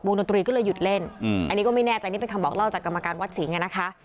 ดนตรีก็เลยหยุดเล่นอันนี้ก็ไม่แน่ใจนี่เป็นคำบอกเล่าจากกรรมการวัดสิงห์อ่ะนะคะ